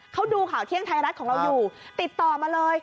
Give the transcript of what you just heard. เขาดูข่าวเที่ยงไทยรัฐของเราอยู่ติดต่อมาเลย